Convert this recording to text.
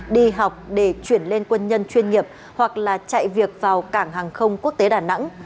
đi học để chuyển lên quân nhân chuyên nghiệp hoặc là chạy việc vào cảng hàng không quốc tế đà nẵng